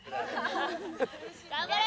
頑張れ！